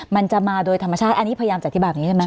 มันจะมาโดยธรรมชาติอันนี้พยายามจะอธิบายแบบนี้ใช่ไหม